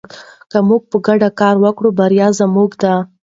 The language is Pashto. که موږ په ګډه کار وکړو بریا زموږ ده.